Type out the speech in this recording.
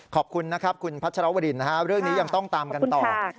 ขอบคุณคุณพัชรวรินเรื่องนี้ยังต้องตามกันต่อ